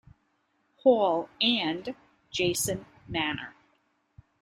Hall" and "Jason Manor.